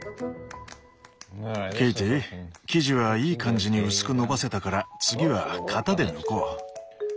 ケイティ生地はいい感じに薄くのばせたから次は型で抜こう。